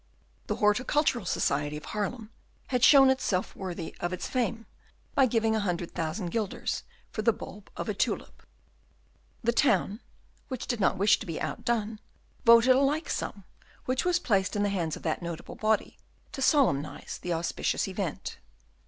The Horticultural Society of Haarlem had shown itself worthy of its fame by giving a hundred thousand guilders for the bulb of a tulip. The town, which did not wish to be outdone, voted a like sum, which was placed in the hands of that notable body to solemnise the auspicious event.